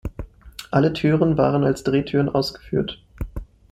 Alle Türen waren als Drehtüren ausgeführt.